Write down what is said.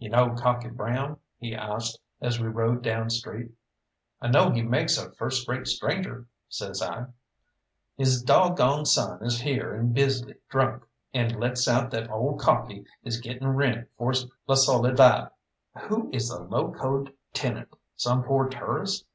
"You know Cocky Brown?" he asked, as we rode down street. "I know he makes a first rate stranger," says I. "His dog gone son is here in Bisley drunk, and lets out that old Cocky is getting rent for La Soledad." "Who is the locoed tenant some poor tourist?"